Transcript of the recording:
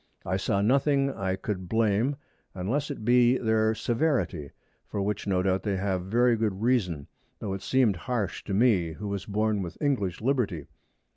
I saw nothing I could blame, unless it be their Severity, for which no doubt they have very good reason, tho' it seemed harsh to me, who was born with English Liberty.